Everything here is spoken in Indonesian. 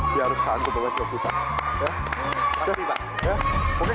dia harus kanku banget ya pak